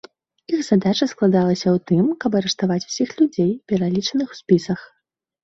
Іх задача складалася ў тым, каб арыштаваць усіх людзей, пералічаных у спісах.